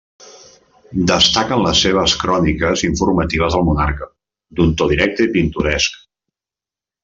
Destaquen les seves cròniques informatives al monarca, d'un to directe i pintoresc.